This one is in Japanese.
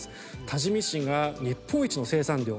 多治見市が日本一の生産量。